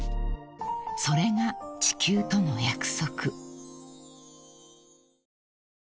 ［それが地球との約束］